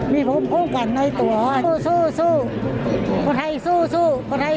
มีพวกเข้ากันในตัว